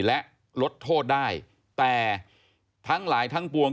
และลดโทษได้แต่ทั้งหลายทั้งปวง